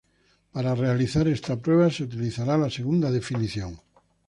Para realizar esta prueba, se utilizará la segunda definición.